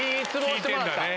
効いてるんだね。